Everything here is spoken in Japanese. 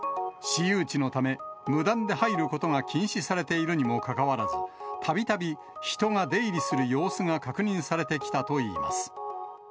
私有地のため、無断で入ることが禁止されているにもかかわらず、たびたび人が出入りする様子が確認されてきたといいます。